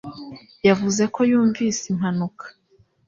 Yavuze ko yumvise impanuka